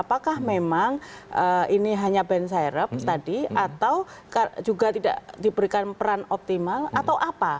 apakah memang ini hanya band sirep tadi atau juga tidak diberikan peran optimal atau apa